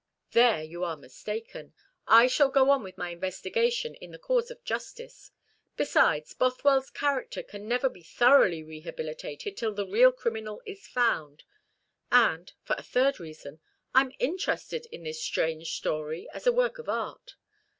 "There you are mistaken. I shall go on with my investigation, in the cause of justice. Besides, Bothwell's character can never be thoroughly rehabilitated till the real criminal is found; and, for a third reason, I am interested in this strange story as a work of art.